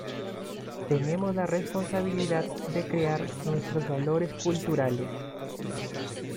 tenemos la responsabilidad de crear nuestros valores culturales